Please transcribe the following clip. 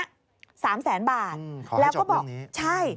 ๓๐๐๐๐๐บาทแล้วก็บอกใช่ขอให้จบเรื่องนี้